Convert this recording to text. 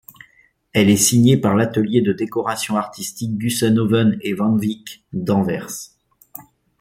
Elle est signée par l'atelier de décoration artistique Gussenhoven & Van Wijck d'Anvers.